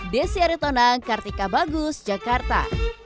desi aritonang kartika bagus jakarta